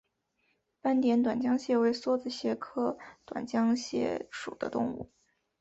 斑点短浆蟹为梭子蟹科短浆蟹属的动物。